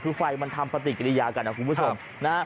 คือไฟมันทำปฏิกิริยากันนะคุณผู้ชมนะฮะ